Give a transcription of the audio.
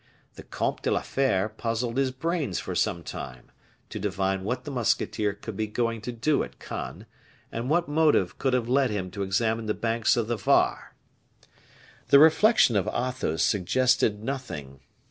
The Comte de la Fere puzzled his brains for some time, to divine what the musketeer could be going to do at Cannes, and what motive could have led him to examine the banks of the Var. The reflections of Athos suggested nothing.